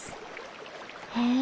へえ。